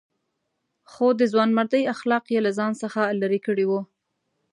خو د ځوانمردۍ اخلاق یې له ځان څخه لرې کړي وو.